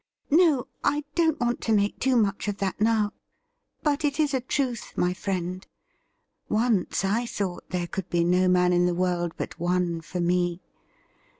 ' No, I don't want to make too much of that now ; but it is a truth, my friend. Once I thought there couJd be no man in the world but one for me.